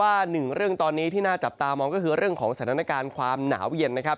หนึ่งเรื่องตอนนี้ที่น่าจับตามองก็คือเรื่องของสถานการณ์ความหนาวเย็นนะครับ